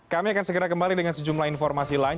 kami akan segera kembali dengan sejumlah informasi lain